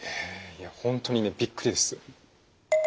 いや本当にねびっくりです。